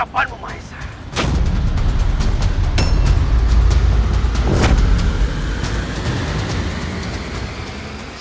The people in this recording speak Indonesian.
jangan lupa untuk mencari